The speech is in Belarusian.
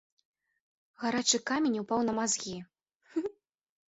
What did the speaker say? Гарачы камень упаў на мазгі.